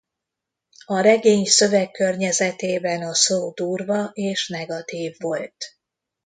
A regény szövegkörnyezetében a szó durva és negatív volt.